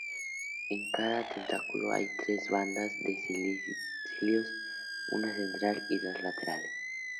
En cada tentáculo hay tres bandas de cilios: una central y dos laterales.